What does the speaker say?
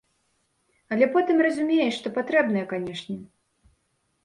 Але потым разумееш, што патрэбнае, канешне.